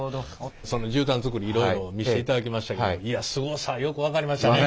その絨毯づくりいろいろ見していただきましたけどいやすごさよく分かりましたね。